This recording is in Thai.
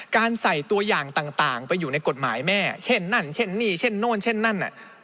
การใส่ตัวอย่างต่างไปอยู่ในกฎหมายแม่เช่นนั่นเช่นนี่เช่นโน่นเช่นนั่นน่ะ